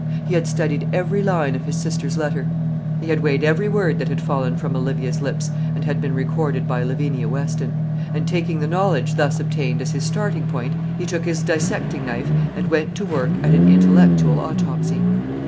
He had studied every line of his sister's letter; he had weighed every word that had fallen from Olivia's lips and had been recorded by Lavinia Weston; and taking the knowledge thus obtained as his starting point, he took his dissecting knife and went to work at an intellectual autopsy.